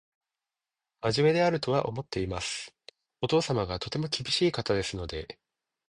真面目であるとは思っています。お父様がとても厳しい方ですので